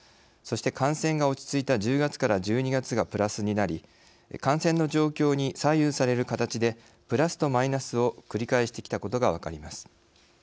そして感染が落ち着いた１０月から１２月がプラスになり感染の状況に左右される形でプラスとマイナスを繰り返してきたことが分かります。